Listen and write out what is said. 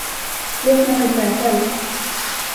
Låt mig hämta en själv!